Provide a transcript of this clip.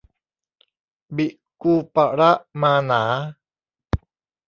บิกูปะระมาหนา